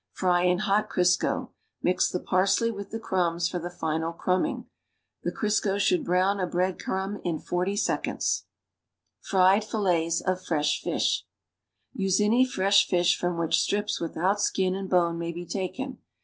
Fry in hot Crisco. Mix the parsley with the crumbs for the final crumbing. The Crisco should brown a bread crumb in 40 seconds. FRIED FILLETS OF FRESH FISH Use any fresh fish from which strips without skin and bone ma^y be taken.